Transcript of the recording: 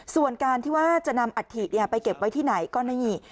ส่วนการที่ว่าจะนำอัฐิไปเก็บไว้ที่ไหนก็นี่